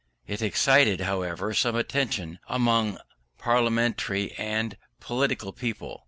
It excited, however, some attention among parliamentary and political people.